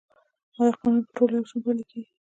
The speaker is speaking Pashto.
آیا قانون په ټولو یو شان پلی کیږي؟